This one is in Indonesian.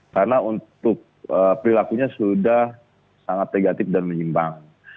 karena untuk perilakunya sudah sangat negatif dan menyimbang